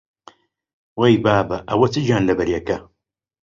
وەی بابە، ئەوە چ گیانلەبەرێکە!